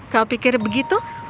kau pikir begitu